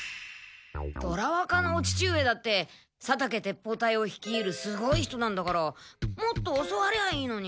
虎若のお父上だって佐武鉄砲隊をひきいるすごい人なんだからもっと教わりゃいいのに。